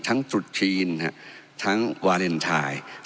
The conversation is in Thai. ทั้งจุดชีนทั้งวาเลนไทย